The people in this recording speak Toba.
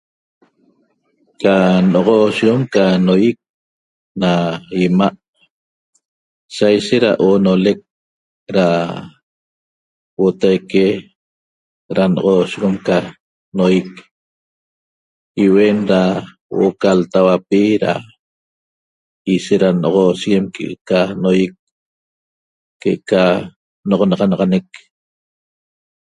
Ca n'oxosheguem ca noýic na 'ima' saishet da oonolec da huotaique da n'oxosheguem ca noýic iuen da huo'o ca l'tauapi da ishet da n'oxosheguem que'eca noýic que'eca n'oxonaxanaxanec